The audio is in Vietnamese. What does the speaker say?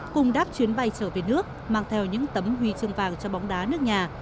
cùng đáp chuyến bay trở về nước mang theo những tấm huy chương vàng cho bóng đá nước nhà